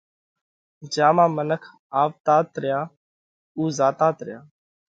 جيا مانه منک آوَتات ريا ان زاتات ريا۔